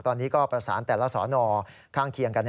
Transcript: ตอนนี้ก็ประสานแต่ละสอนอข้างเคียงกัน